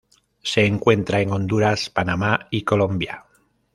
Se encuentra en Honduras, Panamá y Colombia.